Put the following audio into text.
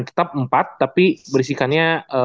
tetap empat tapi berisikannya